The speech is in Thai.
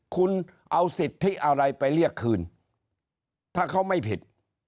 คุณเอาสิทธิอะไรไปเรียกคืนถ้าเขาไม่ผิด